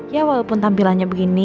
ya walaupun tampilannya begini